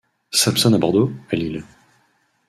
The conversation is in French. Samson à Bordeaux, à Lille.